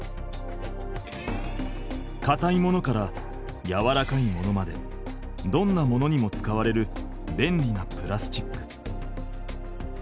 かたいものからやわらかいものまでどんなものにも使われる便利なプラスチック。